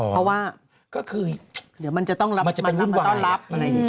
เพราะว่ามันจะต้องรับ